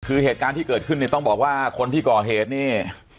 คือเหตุการณ์ที่เกิดขึ้นเนี่ยต้องบอกว่าคนที่ก่อเหตุนี่